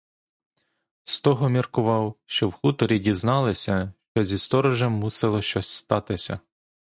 З того міркував, що в хуторі дізналися, що зі сторожем мусило щось статися.